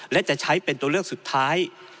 และจะใช้เป็นตัวเลือกสุดท้าย